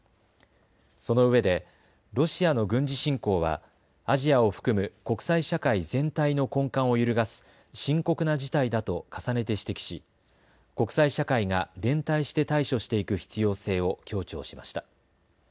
そのうえでロシアの軍事侵攻はアジアを含む国際社会全体の根幹を揺るがす深刻な事態だと重ねて指摘し国際社会が連帯して対処していく必要性を強調しました。